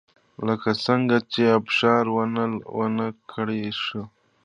لکه څنګه چې ابشار ونه کړای شوه